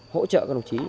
hỗ trợ các đồng chí